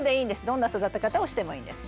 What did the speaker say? どんな育て方をしてもいいんです。